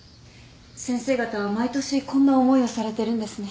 先生方は毎年こんな思いをされてるんですね。